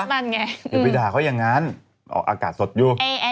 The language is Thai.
อย่าไปด่าเขาอย่างนั้นอากาศสดอยู่